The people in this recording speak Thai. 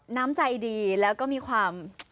น้ำใจดีแล้วก็มีความ